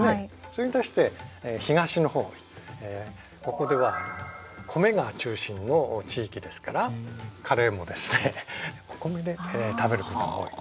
それに対して東の方ここでは米が中心の地域ですからカレーもですねお米で食べることが多い。